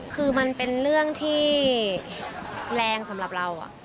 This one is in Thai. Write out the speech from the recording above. คือมันเป็นเรื่องที่แรงสำหรับเรา